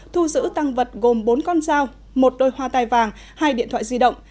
thu giữ tăng vật gồm bốn con dao một đôi hoa tai vàng hai điện thoại di động